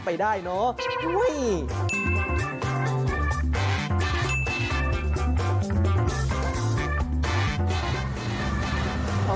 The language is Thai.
ไปได้เนาะ